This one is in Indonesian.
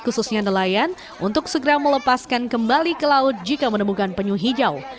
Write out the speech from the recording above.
khususnya nelayan untuk segera melepaskan kembali ke laut jika menemukan penyu hijau